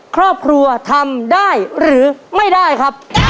ครอบครัวของแม่ปุ้ยจังหวัดสะแก้วนะครับ